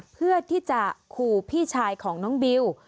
เพื่อที่จะขู่พี่ชายของน้องบิว